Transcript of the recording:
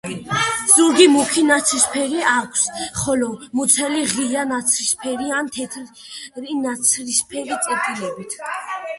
ზურგი მუქი ნაცრისფერი აქვს, ხოლო მუცელი ღია ნაცრისფერი ან თეთრი ნაცრისფერი წერტილებით.